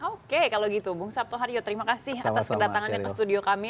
oke kalau gitu bung sabto harjo terima kasih atas kedatangannya ke studio kami